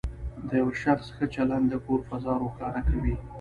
د یو شخص ښه چلند د کور فضا روښانه کوي.